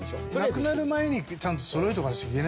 なくなる前にちゃんとそろえとかなくちゃいけないな。